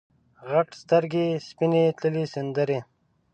غټ سترګې سپینې تللې سندرې